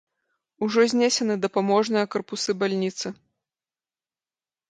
Ужо знесены дапаможныя карпусы бальніцы.